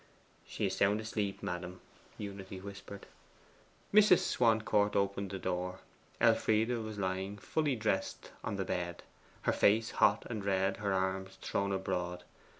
'She is sound asleep, ma'am,' Unity whispered. Mrs. Swancourt opened the door. Elfride was lying full dressed on the bed, her face hot and red, her arms thrown abroad.